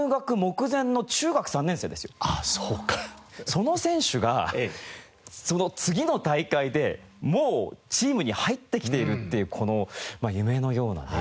その選手がその次の大会でもうチームに入ってきているっていうこの夢のようなね